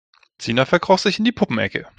Sina verkroch sich in die Puppenecke.